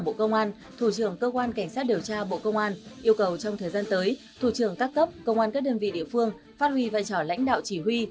bộ công an thủ trưởng cơ quan cảnh sát điều tra bộ công an yêu cầu trong thời gian tới thủ trường các cấp công an các đơn vị địa phương phát huy vai trò lãnh đạo chỉ huy